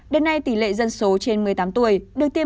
đến nay tỷ lệ dân số trên một mươi tám tuổi